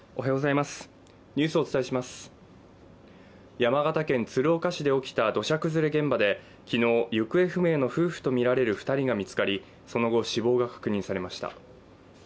山形県鶴岡市で起きた土砂崩れ現場で昨日行方不明の夫婦とみられる２人が見つかりその後死亡が確認されました。